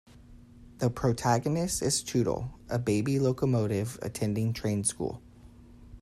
The protagonist is Tootle, a baby locomotive attending train school.